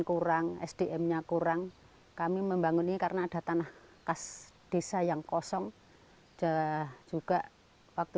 kurang sdm nya kurang kami membangun ini karena ada tanah khas desa yang kosong juga waktu